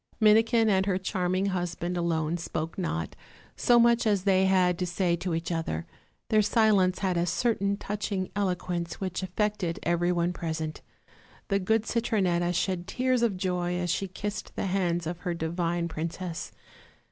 Minikin and her charming husband alone spoke not, so much as they had to say to each other; their silence had a certain touching eloquence which affected every one present. The good Citronetta shed tears of joy as she kissed the hands of her divine princess.